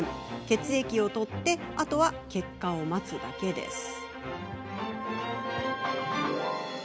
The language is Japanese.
血液を採ってあとは結果を待つだけです。